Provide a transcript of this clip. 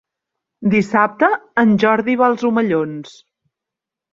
Dissabte en Jordi va als Omellons.